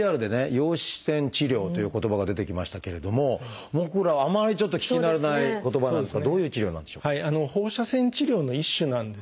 「陽子線治療」という言葉が出てきましたけれども僕らあまりちょっと聞き慣れない言葉なんですがどういう治療なんでしょう？